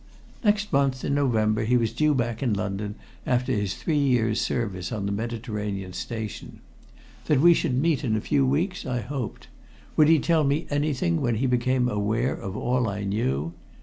Next month, in November, he was due back in London after his three years' service on the Mediterranean station. Then we should meet in a few weeks I hoped. Would he tell me anything when he became aware of all I knew?